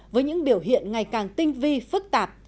với những biểu hiện ngày càng tinh vi phức tạp